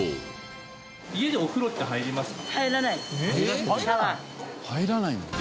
家でお風呂って入りますか？